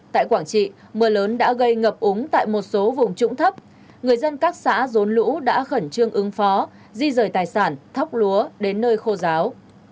tại quảng trị mưa lớn đã gây ngập úng tại một số vùng trũng thấp người dân các xã rốn lũ đã khẩn trương ứng phó di rời tài sản thóc lúa đến nơi khô giáo